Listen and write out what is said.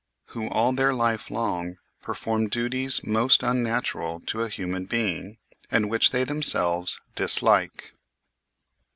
who all their life long perform duties most unnatural to a human being, and which they themselves dislike.